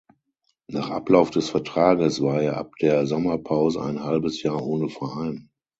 Nach Ablauf des Vertrages war er ab der Sommerpause ein halbes Jahr ohne Verein.